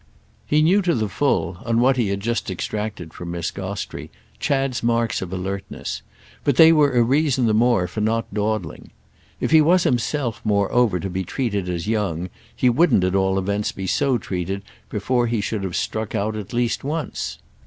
He knew to the full, on what he had just extracted from Miss Gostrey, Chad's marks of alertness; but they were a reason the more for not dawdling. If he was himself moreover to be treated as young he wouldn't at all events be so treated before he should have struck out at least once.